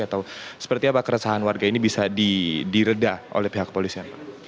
atau seperti apa keresahan warga ini bisa direda oleh pihak kepolisian